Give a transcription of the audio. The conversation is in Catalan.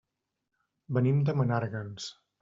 Venim de Menàrguens.